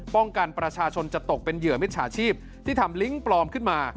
ประชาชนจะตกเป็นเหยื่อมิจฉาชีพที่ทำลิงก์ปลอมขึ้นมา